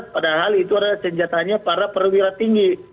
padahal itu adalah senjatanya para perwira tinggi